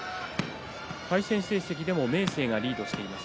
対戦成績では明生がリードしています。